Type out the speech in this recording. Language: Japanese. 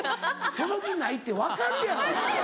その気ないって分かるやろ。